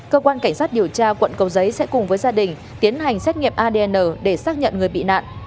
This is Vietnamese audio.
cơ quan cảnh sát điều tra quận cầu giấy sẽ cùng với gia đình tiến hành xét nghiệm adn để xác nhận người bị nạn